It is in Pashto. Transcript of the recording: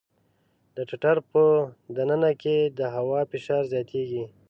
د ټټر په د ننه کې د هوا فشار زیاتېږي.